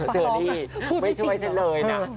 เจอนี่ไม่ช่วยฉันเลยนะ